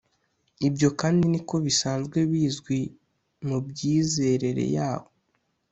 ibyo kandi niko bisanzwe bizwi mu byizerere yabo